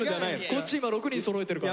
こっち今６人そろえてるから。